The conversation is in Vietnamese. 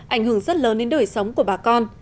ảnh hưởng rất lớn đến đời sống của bà con